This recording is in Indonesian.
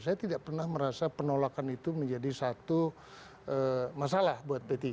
saya tidak pernah merasa penolakan itu menjadi satu masalah buat p tiga